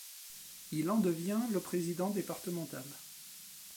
Il en devient le président départemental.